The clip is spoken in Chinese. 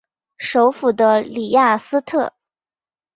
首府的里雅斯特。